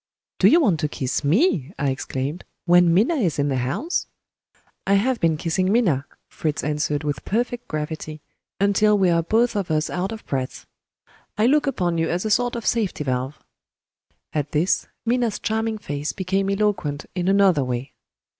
"Do you want to kiss me," I exclaimed, "when Minna is in the house!" "I have been kissing Minna," Fritz answered with perfect gravity, until we are both of us out of breath. "I look upon you as a sort of safety valve." At this, Minna's charming face became eloquent in another way.